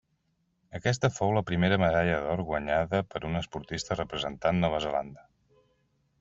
Aquesta fou la primera medalla d'or guanyada per un esportista representat Nova Zelanda.